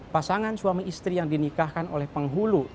pasangan suami istri yang dinikahkan oleh penghulu